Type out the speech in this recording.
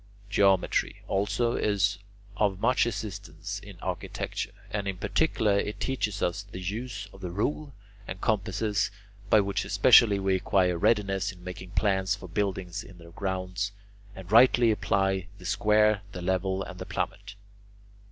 Geometry, also, is of much assistance in architecture, and in particular it teaches us the use of the rule and compasses, by which especially we acquire readiness in making plans for buildings in their grounds, and rightly apply the square, the level, and the plummet.